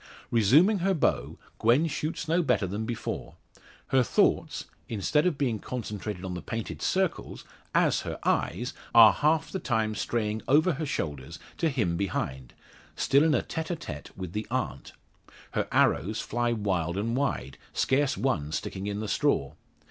Resuming her bow, Gwen shoots no better than before. Her thoughts, instead of being concentrated on the painted circles, as her eyes, are half the time straying over her shoulders to him behind, still in a tete a tete with the aunt. Her arrows fly wild and wide, scarce one sticking in the straw.